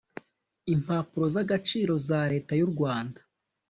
Impapuro z agaciro za Leta y u Rwanda